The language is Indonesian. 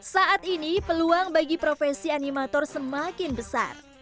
saat ini peluang bagi profesi animator semakin besar